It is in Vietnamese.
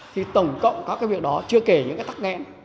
thì tổng cộng các cái việc đó chưa kể những cái tắc nghẽn